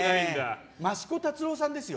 益子達郎さんですよ。